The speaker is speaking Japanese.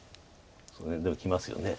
それでもきますよね。